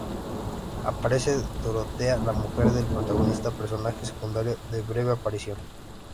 Aparece Dorotea, la mujer del protagonista, personaje secundario de breve aparición.